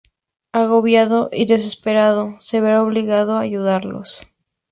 Agobiado y desesperado, se verá obligado a ayudarlos.